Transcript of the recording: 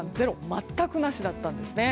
全くなしだったんですね。